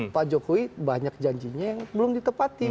pak jokowi banyak janjinya yang belum ditepati